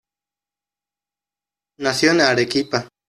Nació en Arequipa.